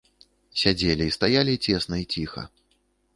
Сядзелі і стаялі цесна і ціха.